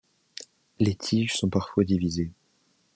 Les tiges sont parfois divisées.